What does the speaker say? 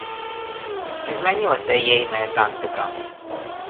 Ці змянілася ейная тактыка?